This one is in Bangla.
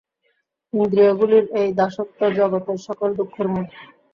ইন্দ্রিয়গুলির এই দাসত্ব জগতের সকল দুঃখের মূল।